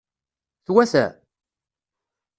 Twata?